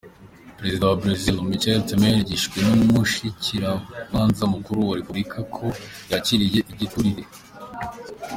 Prezida wa Brezil Michel Temer yagirijwe n'umushikirizamanza mukuru wa republika ko yakiriye igiturire.